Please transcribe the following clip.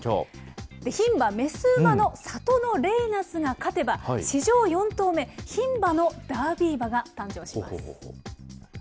ひん馬・雌馬のサトノレイナスが勝てば、史上４頭目、ひん馬のダービー馬が誕生します。